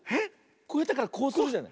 こうやってからこうするじゃない？